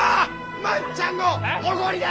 万ちゃんのおごりで！